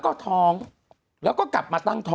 คุณหนุ่มกัญชัยได้เล่าใหญ่ใจความไปสักส่วนใหญ่แล้ว